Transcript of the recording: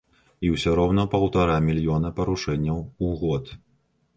І ўсё роўна паўтара мільёна парушэнняў у год.